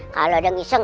kalau ada yang iseng